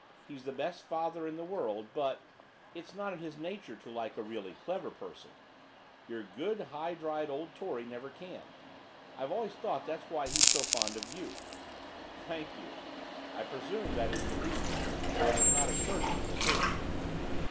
He's the best father in the world, but it's not in his nature to like a really clever person; your good high dried old Tory never can; I've always thought that that's why he's so fond of you.' 'Thank you. I presume that is the reason, though it had not occurred to me before.